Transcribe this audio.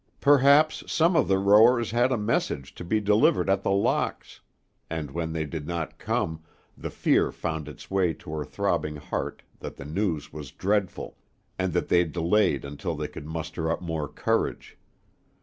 Perhaps some of the rowers had a message to be delivered at The Locks; and when they did not come, the fear found its way to her throbbing heart that the news was dreadful, and that they delayed until they could muster up more courage.